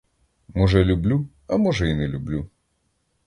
Може, люблю, а може, і не люблю.